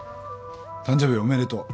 誕生日おめでとう。